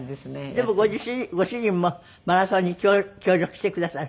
でもご主人もマラソンに協力してくださる。